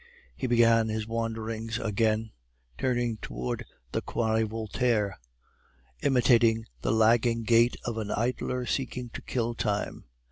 He began his wanderings again, turning towards the Quai Voltaire, imitating the lagging gait of an idler seeking to kill time.